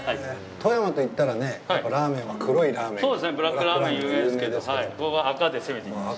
富山といったらね、ラーメンは黒いラーメンが。